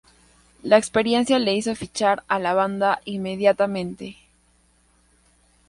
La experiencia le hizo fichar a la banda inmediatamente.